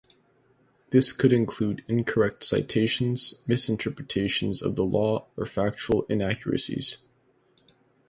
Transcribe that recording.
This could include incorrect citations, misinterpretations of the law, or factual inaccuracies.